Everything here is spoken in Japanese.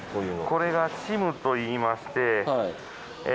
これがシムといいましてえっと